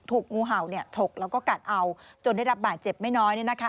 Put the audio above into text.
ถูกงูเห่าเนี่ยถกแล้วก็กัดเอาจนได้รับบาดเจ็บไม่น้อยเนี่ยนะคะ